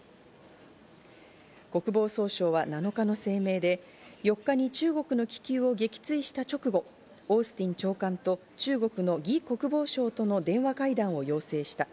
国防総省は７日の声明で、４日に中国の気球を撃墜した直後、オースティン長官と中国のギ国防相との電話会談を要請した。